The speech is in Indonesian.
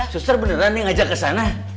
suster beneran nih ngajak ke sana